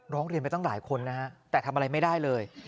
ร้องเรียนไปตั้งหลายคนนะฮะแต่ทำอะไรไม่ได้เลย